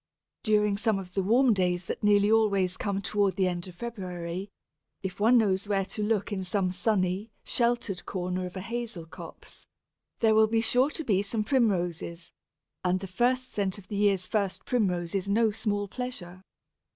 During some of the warm days that nearly always come towards the end of February, if one knows where to look in some sunny, sheltered corner of a hazel copse, there will be sure to be some Primroses, and the first scent of the year's first Primrose is no small pleasure.